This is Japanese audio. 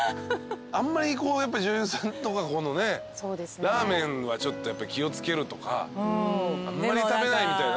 あんまり女優さんとかラーメンは気を付けるとかあんまり食べないみたいな。